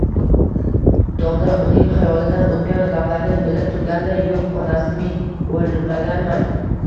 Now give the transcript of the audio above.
Domla, uning xayolidan o‘tgan gaplarni bilib turganday, yo‘q, onasi, men o‘lmaganman.